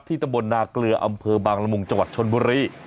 ตำบลนาเกลืออำเภอบางละมุงจังหวัดชนบุรี